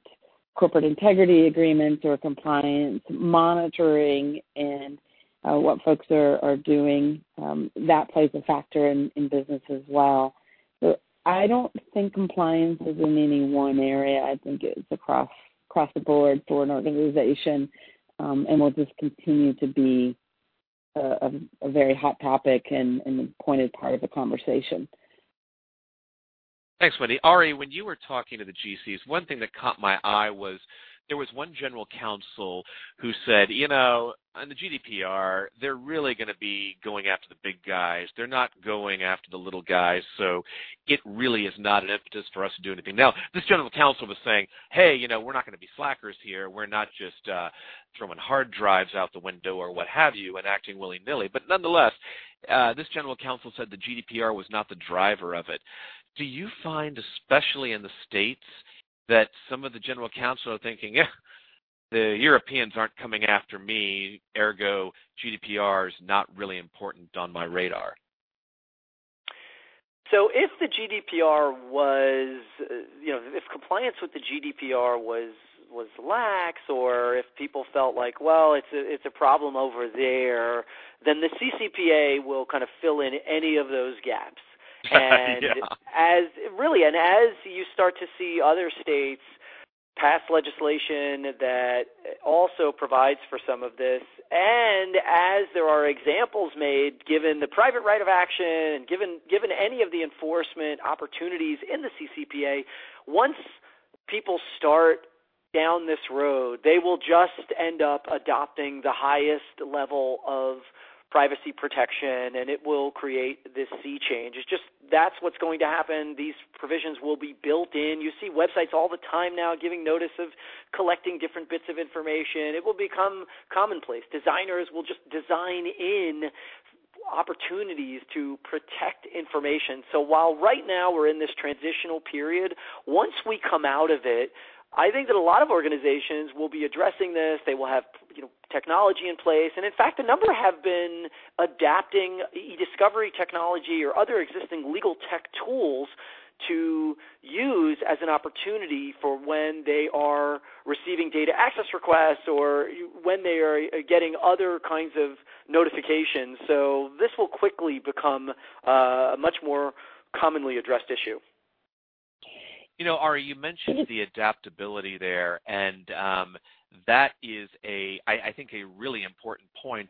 corporate integrity agreements or compliance monitoring and what folks are doing, that plays a factor in business as well. I don't think compliance is in any one area. I think it's across the board for an organization, will just continue to be a very hot topic and a pointed part of the conversation. Thanks, Wendy. Ari, when you were talking to the GCs, one thing that caught my eye was there was one general counsel who said, "On the GDPR, they're really going to be going after the big guys. They're not going after the little guys, it really is not an impetus for us to do anything." Now, this general counsel was saying, "Hey, we're not going to be slackers here. We're not just throwing hard drives out the window or what have you, and acting willy-nilly." Nonetheless, this general counsel said the GDPR was not the driver of it. Do you find, especially in the U.S., that some of the general counsel are thinking, "The Europeans aren't coming after me, ergo GDPR is not really important on my radar? If compliance with the GDPR was lax, or if people felt like, well, it's a problem over there, then the CCPA will fill in any of those gaps. Yeah. Really, as you start to see other states pass legislation that also provides for some of this, and as there are examples made, given the private right of action and given any of the enforcement opportunities in the CCPA, once people start down this road, they will just end up adopting the highest level of privacy protection, and it will create this sea change. It's just that's what's going to happen. These provisions will be built in. You see websites all the time now giving notice of collecting different bits of information. It will become commonplace. Designers will just design in opportunities to protect information. While right now we're in this transitional period, once we come out of it, I think that a lot of organizations will be addressing this. They will have technology in place, and in fact, a number have been adapting e-discovery technology or other existing legal tech tools to use as an opportunity for when they are receiving data access requests, or when they are getting other kinds of notifications. This will quickly become a much more commonly addressed issue. Ari, you mentioned the adaptability there, that is, I think, a really important point.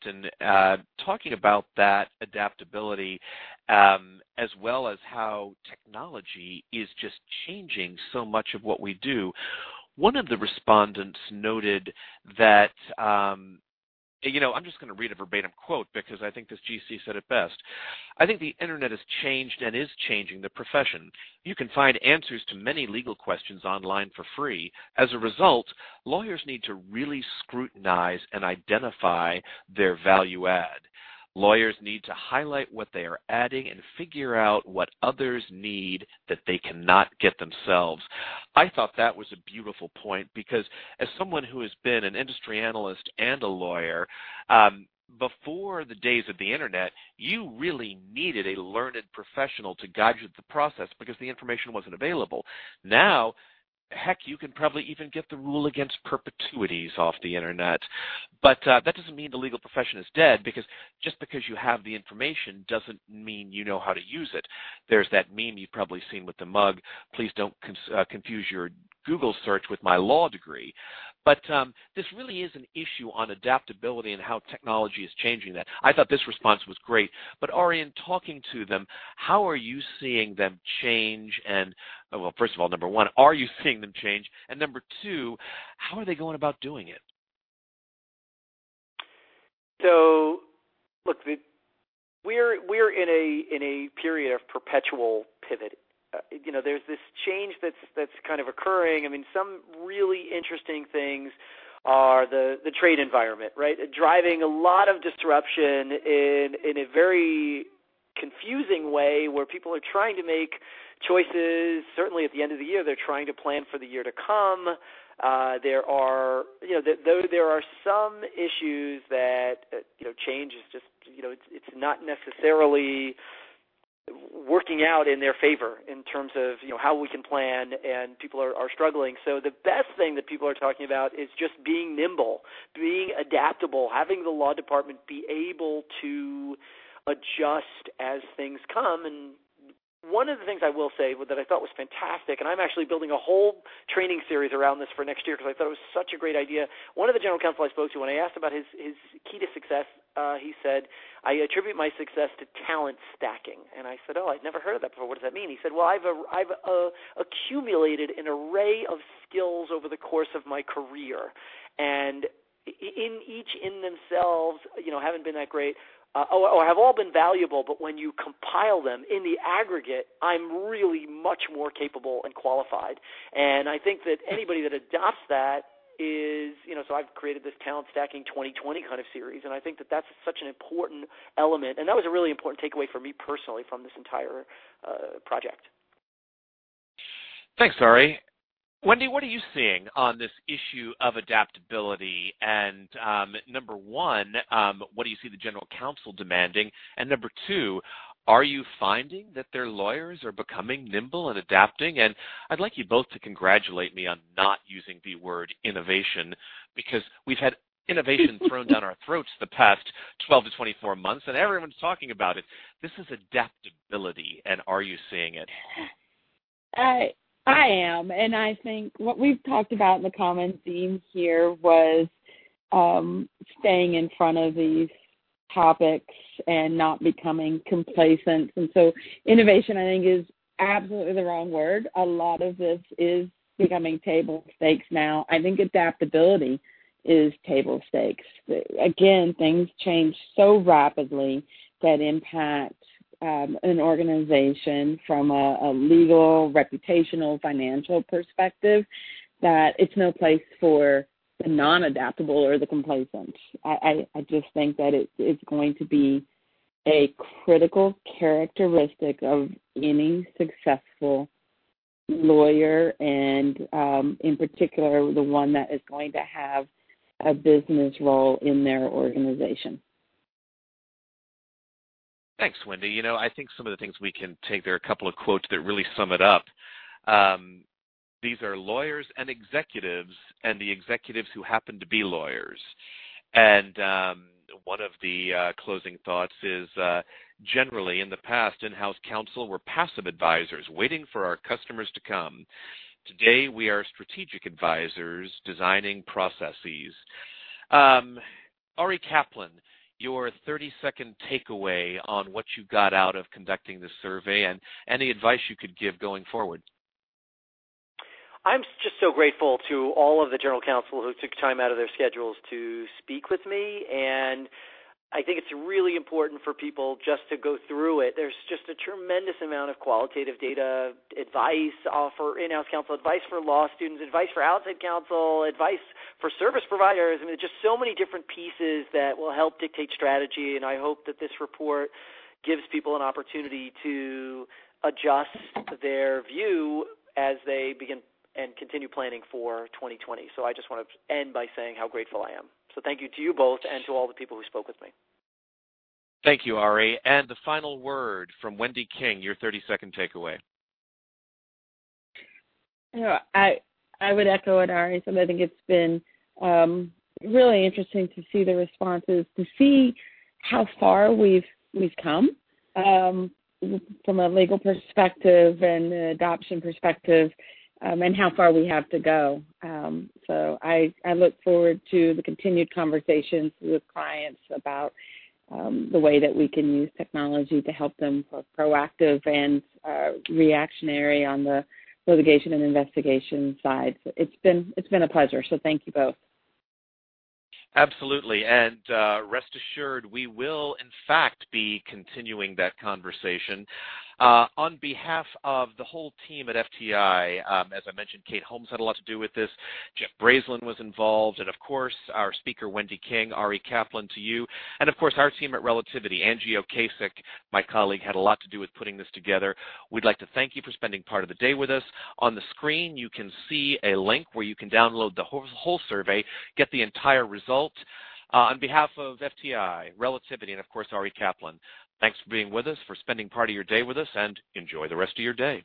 Talking about that adaptability, as well as how technology is just changing so much of what we do, one of the respondents noted that: I'm just going to read a verbatim quote because I think this GC said it best. "I think the internet has changed and is changing the profession. You can find answers to many legal questions online for free. As a result, lawyers need to really scrutinize and identify their value add. Lawyers need to highlight what they are adding and figure out what others need that they cannot get themselves." I thought that was a beautiful point because as someone who has been an industry analyst and a lawyer, before the days of the internet, you really needed a learned professional to guide you through the process because the information wasn't available. Now, heck, you can probably even get the rule against perpetuities off the internet. That doesn't mean the legal profession is dead, because just because you have the information doesn't mean you know how to use it. There's that meme you've probably seen with the mug, "Please don't confuse your Google search with my law degree." This really is an issue on adaptability and how technology is changing that. I thought this response was great. Ari, Well, first of all, number 1, are you seeing them change? Number 2, how are they going about doing it? Look, we're in a period of perpetual pivot. There's this change that's occurring. I mean, some really interesting things are the trade environment, right? Driving a lot of disruption in a very confusing way, where people are trying to make choices. Certainly, at the end of the year, they're trying to plan for the year to come. There are some issues that change is just not necessarily working out in their favor in terms of how we can plan, and people are struggling. The best thing that people are talking about is just being nimble, being adaptable, having the law department be able to adjust as things come. One of the things I will say that I thought was fantastic, and I'm actually building a whole training series around this for next year because I thought it was such a great idea. One of the general counsel I spoke to, when I asked about his key to success, he said, "I attribute my success to talent stacking." I said, "Oh, I'd never heard of that before. What does that mean?" He said, "Well, I've accumulated an array of skills over the course of my career, and in each in themselves, haven't been that great, or have all been valuable, but when you compile them in the aggregate, I'm really much more capable and qualified." I think that anybody that adopts that. I've created this talent stacking 2020 kind of series, and I think that that's such an important element. That was a really important takeaway for me personally from this entire project. Thanks, Ari. Wendy, what are you seeing on this issue of adaptability? Number one, what do you see the general counsel demanding? Number two, are you finding that their lawyers are becoming nimble and adapting? I'd like you both to congratulate me on not using the word innovation, because we've had innovation thrown down our throats the past 12 to 24 months, and everyone's talking about it. This is adaptability. Are you seeing it. I am. I think what we've talked about in the common theme here was staying in front of these topics and not becoming complacent. Innovation, I think, is absolutely the wrong word. A lot of this is becoming table stakes now. I think adaptability is table stakes. Again, things change so rapidly that impact an organization from a legal, reputational, financial perspective, that it's no place for the non-adaptable or the complacent. I just think that it's going to be a critical characteristic of any successful lawyer and, in particular, the one that is going to have a business role in their organization. Thanks, Wendy. I think some of the things we can take, there are a couple of quotes that really sum it up. These are lawyers and executives, and the executives who happen to be lawyers. One of the closing thoughts is, "Generally, in the past, in-house counsel were passive advisors waiting for our customers to come. Today, we are strategic advisors designing processes." Ari Kaplan, your 30-second takeaway on what you got out of conducting this survey and any advice you could give going forward. I'm just so grateful to all of the General Counsel who took time out of their schedules to speak with me. I think it's really important for people just to go through it. There's just a tremendous amount of qualitative data, advice for in-house counsel, advice for law students, advice for outside counsel, advice for service providers. I mean, there's just so many different pieces that will help dictate strategy. I hope that this report gives people an opportunity to adjust their view as they begin and continue planning for 2020. I just want to end by saying how grateful I am. Thank you to you both and to all the people who spoke with me. Thank you, Ari. The final word from Wendy King, your 30-second takeaway. I would echo what Ari said. I think it's been really interesting to see the responses, to see how far we've come from a legal perspective and adoption perspective and how far we have to go. I look forward to the continued conversations with clients about the way that we can use technology to help them both proactive and reactionary on the litigation and investigation sides. It's been a pleasure, thank you both. Absolutely, rest assured, we will in fact be continuing that conversation. On behalf of the whole team at FTI, as I mentioned, Kate Holmes had a lot to do with this. Jeff Brazlin was involved. Of course, our speaker, Wendy King, Ari Kaplan to you. Of course, our team at Relativity, Angie Ocasek, my colleague, had a lot to do with putting this together. We'd like to thank you for spending part of the day with us. On the screen, you can see a link where you can download the whole survey, get the entire result. On behalf of FTI, Relativity, and of course, Ari Kaplan, thanks for being with us, for spending part of your day with us, and enjoy the rest of your day.